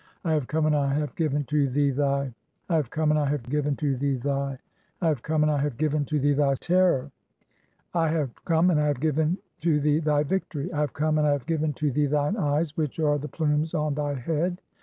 (40) "I have come, and I have given [to thee thy] (41) "I have come, and I have given [to thee thy] (42) "I have come, and I have given [to thee] thy terror. (43) "I have come, and I have given [to thee] thy victory. (44) "I have come, and I have given to thee thine eyes, "[which are] the plumes on thy head.